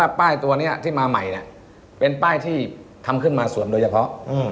ป้ายตัวนี้ที่มาใหม่เป็นป้ายที่ทำขึ้นมาส่วนโดยเฉพาะ